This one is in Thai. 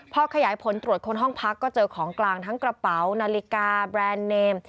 พอขยายผลตรวจคนห้องพักก็เจอของกลางทั้งกระเป๋านาฬิกาแบรนด์เนม